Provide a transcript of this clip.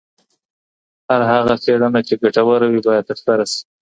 هر هغه څېړنه چي ګټوره وي باید ترسره سي.